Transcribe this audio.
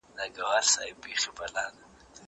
الله تعالی د اصحاب الکهف قصه راته کړې ده.